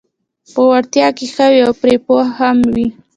په وړتیا کې ښه وي او پرې پوه هم وي: